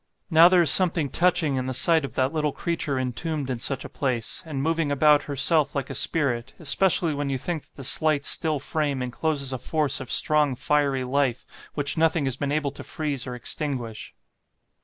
Now there is something touching in the sight of that little creature entombed in such a place, and moving about herself like a spirit, especially when you think that the slight still frame encloses a force of strong fiery life, which nothing has been able to freeze or extinguish."